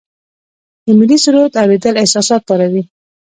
د ملي سرود اوریدل احساسات پاروي.